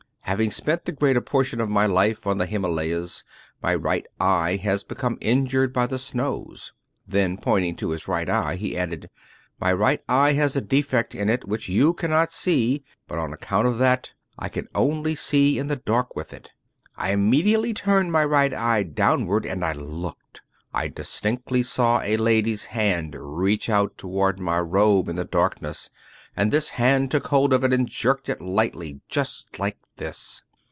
Having spent the greater portion of my life on the Himalayas, my right eye has become injured by the snows." Then pointing to his right eye, he added, " My right eye has a defect in it which you cannot see ; but on account of that, I can only see in the dark with it. I im mediately turned my right eye downward and I looked! I distinctly saw a lady's hand reached out toward my robe in the darkness, and this hand took hold of it and jerked it lightly just Kke this."